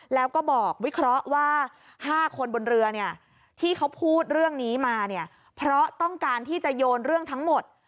แล้วก็บอกวิเคราะห์ว่า๕คนบนเรือเนี่ยที่เขาพูดเรื่องนี้มาเนี่ยเพราะต้องการที่จะโยนเรื่องทั้งหมด